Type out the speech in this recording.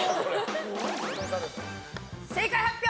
正解発表！